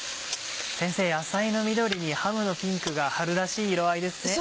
野菜の緑にハムのピンクが春らしい色合いですね。